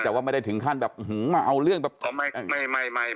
แต่ว่าไม่ได้ถึงขั้นแบบหื้อมาเอาเรื่องแบบอ๋อไม่ไม่ไม่ไม่